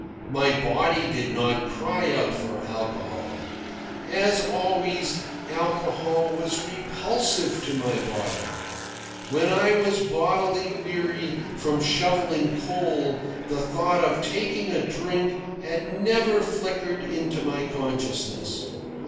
My body did not cry out for alcohol. As always, alcohol was repulsive to my body. When I was bodily weary from shovelling coal the thought of taking a drink had never flickered into my consciousness.